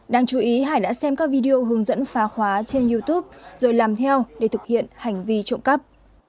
đáng chú ý hải đã xem các video hướng dẫn phá khóa trên youtube rồi làm theo để thực hiện hành vi trộm cắp